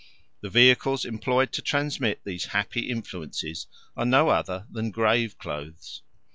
The vehicles employed to transmit these happy influences are no other than grave clothes.